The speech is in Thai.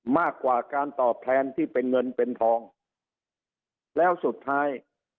มากกว่าการตอบแทนที่เป็นเงินเป็นทองแล้วสุดท้าย